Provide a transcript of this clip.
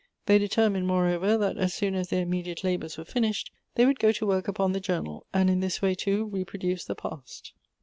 They determined, moreover, that as soon as their immediate labors were finished, they would go to work upon the journal, and in this way, too, repro duce the past.